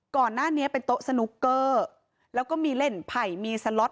ก่อนหน้านี้เป็นโต๊ะสนุกเกอร์แล้วก็มีเล่นไผ่มีสล็อต